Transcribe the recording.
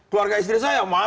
keluarga istri saya